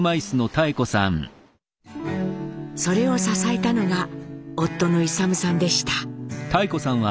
それを支えたのが夫の勇さんでした。